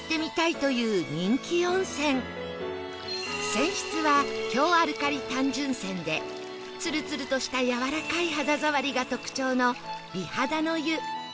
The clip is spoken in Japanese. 泉質は強アルカリ単純泉でツルツルとしたやわらかい肌触りが特徴の美肌の湯